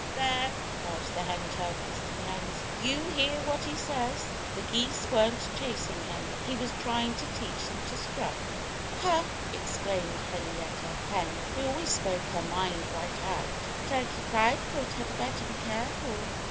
"There!" cried the hen turkeys to the hens. "You hear what he says. The geese weren't chasing him. He was trying to teach them to strut." "Huh!" exclaimed Henrietta Hen, who always spoke her mind right out. "Turkey Proudfoot had better be careful.